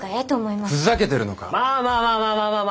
まあまあまあまあまあまあまあ。